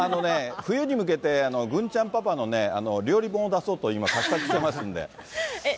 冬に向けて、ぐんちゃんパパの料理本を出そうと画策してますんで。